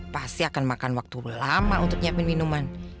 pasti akan makan waktu lama untuk nyiapin minuman